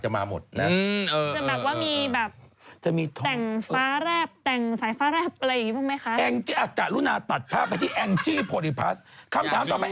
จะมาหมดนะเว้ยจะมีแบบแต่งสายฟ้าราปอะไรอย่างนี้บางอย่างไหมคะ